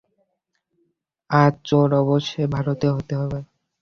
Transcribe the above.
আর চোর অবশ্যই ভারতীয় হতে হবে।